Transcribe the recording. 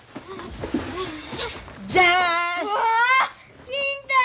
じゃん！